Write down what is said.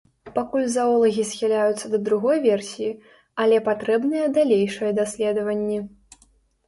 Пакуль заолагі схіляюцца да другой версіі, але патрэбныя далейшыя даследаванні.